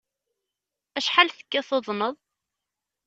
Acḥal tekkiḍ tuḍneḍ?